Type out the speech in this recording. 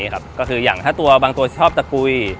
เดินการเฟตติสแล้วก็คืออย่างถ้าตัวบางคนชอบปุย